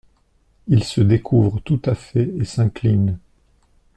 Il se découvre tout à fait et s’incline.